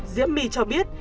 diễm my cho biết